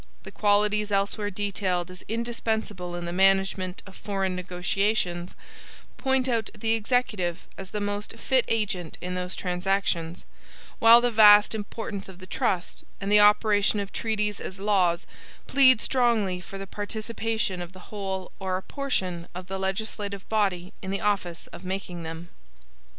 The qualities elsewhere detailed as indispensable in the management of foreign negotiations, point out the Executive as the most fit agent in those transactions; while the vast importance of the trust, and the operation of treaties as laws, plead strongly for the participation of the whole or a portion of the legislative body in the office of making them.